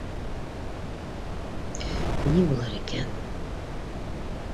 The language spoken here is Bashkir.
Ни булыр икән?